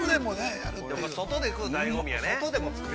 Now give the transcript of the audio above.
◆外で食うだいご味やね。